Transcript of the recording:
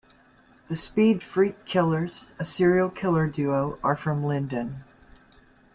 The Speed Freak Killers, a serial killer duo, are from Linden.